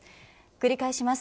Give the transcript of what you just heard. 繰り返します。